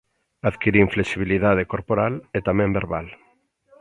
Adquirín flexibilidade corporal e tamén verbal.